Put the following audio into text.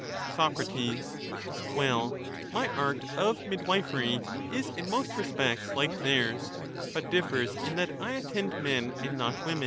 care of the Soc, Well, my art of midwifery is in most respects like ^^Siebody. theirs ; but differs, in that I attend men and not women.